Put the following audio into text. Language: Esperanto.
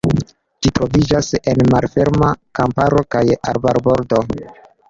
Ĝi troviĝas en malferma kamparo kaj arbarbordoj.